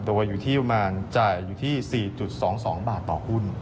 ตัวอยู่ที่ประมาณจ่ายอยู่ที่๔๒๒บาทต่อหุ้น